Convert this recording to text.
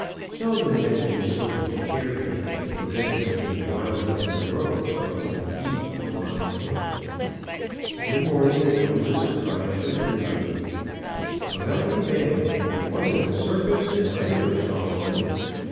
Seldom had been so much care taken to prevent my getting wound up in the rope so I couldn't eat or lie down. In the morning there was a surprise for everybody. S' help me Balaam! if there wasn't a circus, then I never saw one.